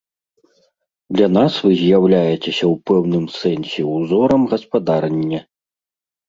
Для нас вы з'яўляецеся ў пэўным сэнсе ўзорам гаспадарання.